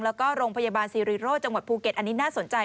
แล้วก็โรงพยาบาลซีรีโร่จังหวัดภูเก็ตอันนี้น่าสนใจ